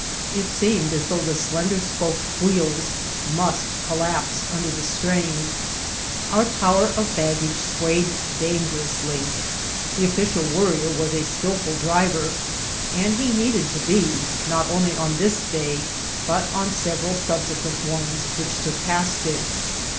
It seemed as though the slender spoked wheels must collapse under the strain. Our tower of baggage swayed dangerously. The Official Worrier was a skill ful driver and he needed to be, not only on this day but on several subsequent ones which sur passed it.